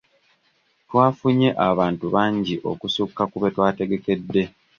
Twafunye abantu bangi okusukka ku be twategekedde.